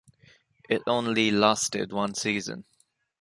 It only lasted one season.